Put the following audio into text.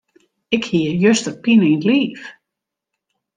Ik hie juster pine yn 't liif.